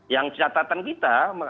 yang catatan kita